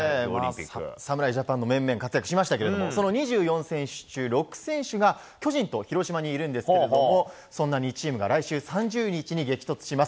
侍ジャパンの面々活躍しましたけれどもその２４選手中６選手が巨人と広島にいるんですけれどもそんな２チームが来週３０日に激突します。